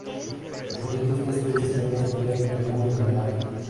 Por tanto, esta especie está clasificada como muy vulnerable.